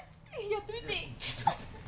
やってみていい？